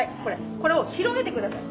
これを広げて下さい。